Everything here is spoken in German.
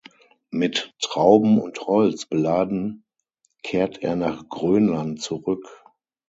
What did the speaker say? Mit Trauben und Holz beladen kehrt er nach Grönland zurück.